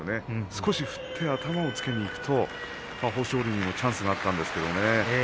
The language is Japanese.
少し振って、頭につけにいくと豊昇龍にもチャンスがあったんですけどね。